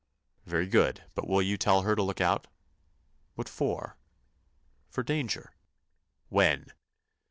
"Very good. But you will tell her to look out?" "What for?" "For danger." "When?"